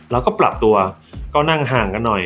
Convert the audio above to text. แล้วก็ปรับตัวก็นั่งห่างกันหน่อย